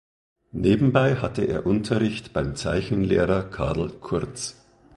Nebenbei hatte er Unterricht beim Zeichenlehrer Carl Kurtz.